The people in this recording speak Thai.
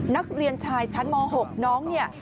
นักเรียนชายชั้นม๖น้องเนี่ย